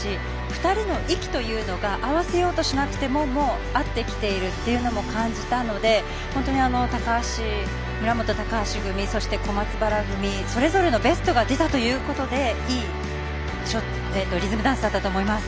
２人の息というのが合わせようとしなくてももう合ってきているというのも感じたので本当に村元、高橋組そして、小松原組、それぞれのベストが出たということでいいリズムダンスだったと思います。